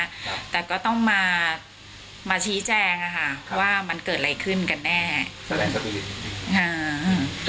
ครับแต่ก็ต้องมามาชี้แจงอ่ะค่ะว่ามันเกิดอะไรขึ้นกันแน่แสดงสปีริตอ่า